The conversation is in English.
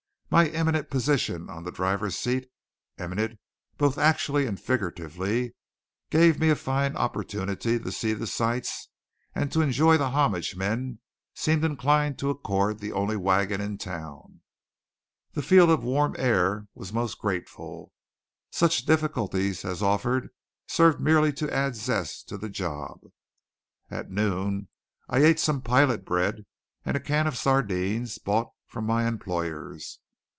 My eminent position on the driver's seat eminent both actually and figuratively gave me a fine opportunity to see the sights and to enjoy the homage men seemed inclined to accord the only wagon in town. The feel of the warm air was most grateful. Such difficulties as offered served merely to add zest to the job. At noon I ate some pilot bread and a can of sardines bought from my employers.